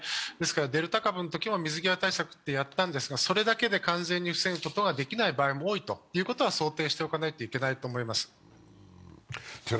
デルタ株のときも水際対策ってやったんですけど、それだけで完全に防ぐことはできないことは想定しておかないといけないと思います。